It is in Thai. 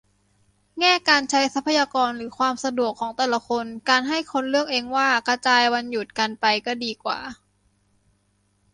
แง่การใช้ทรัพยากรหรือความสะดวกของแต่ละคน การให้คนเลือกเองกระจายวันหยุดกันไปก็ดีกว่า